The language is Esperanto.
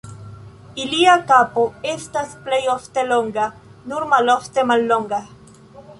Ilia kapo estas plej ofte longa, nur malofte mallonga.